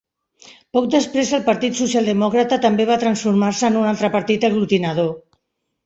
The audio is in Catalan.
Poc després el partit Socialdemòcrata també va transformar-se en un altre partit aglutinador.